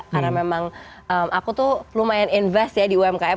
karena memang aku tuh lumayan invest ya di umkm